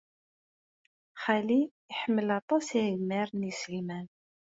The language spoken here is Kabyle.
Xali iḥemmel aṭas agmar n yiselman.